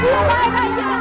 berhentas minta komponi